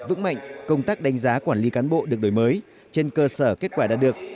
vững mạnh công tác đánh giá quản lý cán bộ được đổi mới trên cơ sở kết quả đạt được